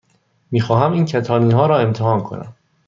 می خواهم این کتانی ها را امتحان کنم.